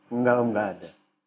engga om gak ada